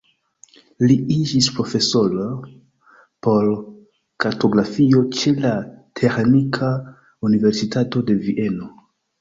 Li iĝis profesoro por kartografio ĉe la Teĥnika Universitato de Vieno.